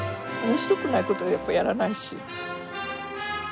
面白くないことはやっぱりやらないし。